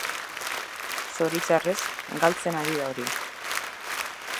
Zoritxarrez, galtzen ari da hori.